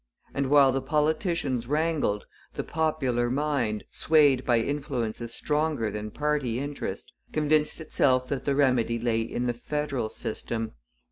And while the politicians wrangled, the popular mind, swayed by influences stronger than party interest, convinced itself that the remedy lay in the federal system.